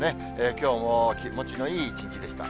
きょうも気持ちのいい一日でした。